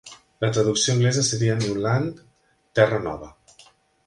La traducció anglesa seria "new land" (terra nova).